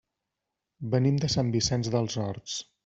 Venim de Sant Vicenç dels Horts.